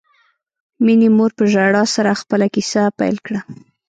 مينې مور په ژړا سره خپله کیسه پیل کړه